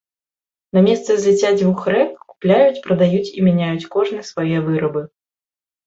На месцы зліцця дзвюх рэк купляюць, прадаюць і мяняюць кожны свае вырабы.